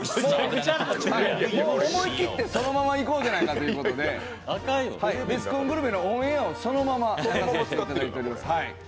思い切ってそのままいこうじゃないかということで「ベスコングルメ」のオンエアをそのまま使わせてもらいました。